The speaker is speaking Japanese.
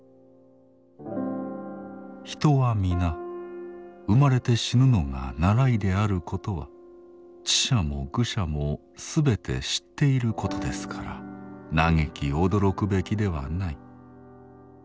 人は皆生まれて死ぬのが習いであることは智者も愚者もすべて知っていることですから嘆き驚くべきではない。